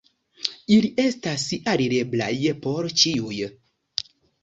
Ili estas alireblaj por ĉiuj.